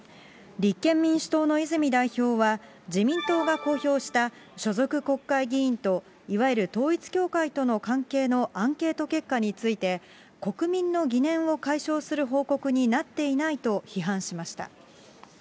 立憲民主党の泉代表は、自民党が公表した所属国会議員といわゆる統一教会との関係のアンケート結果について、国民の疑念を解消する報告になっていないと批判しました。